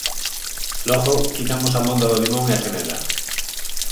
Logo, quitamos a monda do limón e a canela.